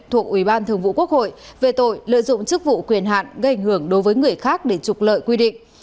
thuộc ủy ban thường vụ quốc hội về tội lợi dụng chức vụ quyền hạn gây ảnh hưởng đối với người khác để trục lợi quy định